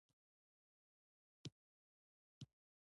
یو وخت ناپوهي خپره شوه او ژوند بې مانا شو